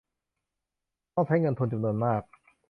ต้องใช้เงินทุนจำนวนมาก